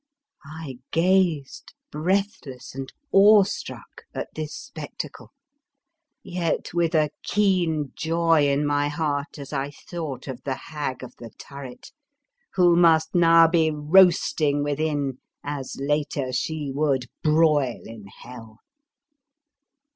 I gazed breathless and awestruck at this spec tacle, yet with a keen joy in my heart as I thought of the Hag of the Turret, who must now be roasting within as later she would broil in Hell.